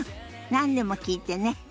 何でも聞いてね。